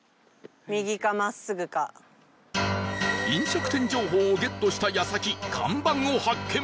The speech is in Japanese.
飲食店情報をゲットした矢先看板を発見